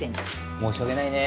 申し訳ないね。